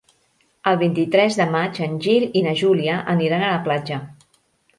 El vint-i-tres de maig en Gil i na Júlia aniran a la platja.